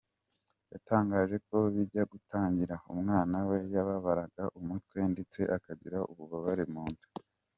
Yatangaje ko bijya gutangira, umwana we yababaraga umutwe ndetse akagira ububabare mu nda.